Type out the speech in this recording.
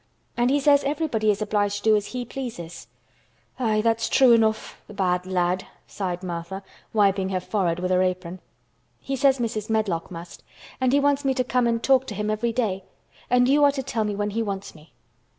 "And he says everybody is obliged to do as he pleases." "Aye, that's true enough—th' bad lad!" sighed Martha, wiping her forehead with her apron. "He says Mrs. Medlock must. And he wants me to come and talk to him every day. And you are to tell me when he wants me."